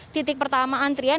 titik pertama antrian